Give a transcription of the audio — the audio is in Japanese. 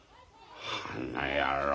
あの野郎。